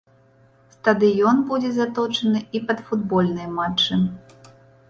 Стадыён будзе заточаны і пад футбольныя матчы.